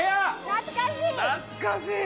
懐かしい！